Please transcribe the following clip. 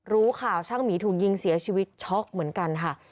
รู้ข่าวช่างหมีถูกยิงเสียชีวิตช็อกเหมือนกันค่ะ